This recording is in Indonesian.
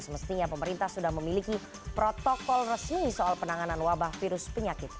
semestinya pemerintah sudah memiliki protokol resmi soal penanganan wabah virus penyakit